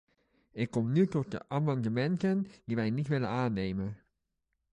Ik kom nu tot de amendementen die wij niet willen aannemen.